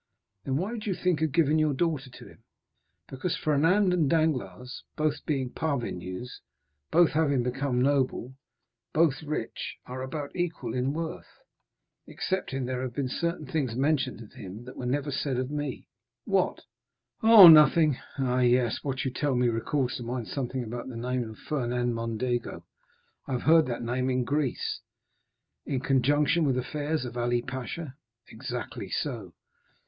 "Then, why did you think of giving your daughter to him?" "Because Fernand and Danglars, being both parvenus, both having become noble, both rich, are about equal in worth, excepting that there have been certain things mentioned of him that were never said of me." "What?" "Oh, nothing!" "Ah, yes; what you tell me recalls to mind something about the name of Fernand Mondego. I have heard that name in Greece." "In conjunction with the affairs of Ali Pasha?" "Exactly so."